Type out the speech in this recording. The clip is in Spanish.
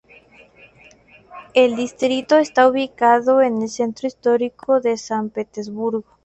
El distrito está ubicado en el centro histórico de San Petersburgo.